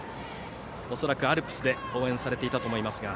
恐らくアルプスで応援されていたと思いますが。